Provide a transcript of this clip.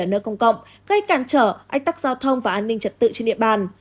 ở nơi công cộng gây cản trở ách tắc giao thông và an ninh trật tự trên địa bàn